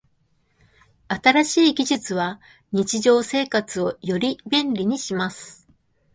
新しい技術は日常生活をより便利にします。